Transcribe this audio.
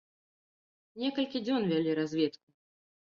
Некалькі дзён вялі разведку.